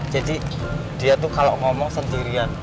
jadi dia tuh kalau ngomong sendirian